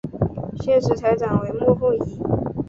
现时台长为莫凤仪。